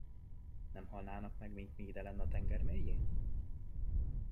Nem halnának meg, mint mi idelenn a tenger mélyén?